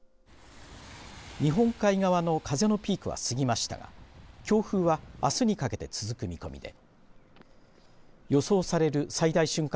日本海側の風のピークは過ぎましたが強風はあすにかけて続く見込みで予想される最大瞬間